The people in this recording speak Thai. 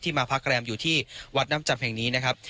มาพักแรมอยู่ที่วัดน้ำจำแห่งนี้นะครับ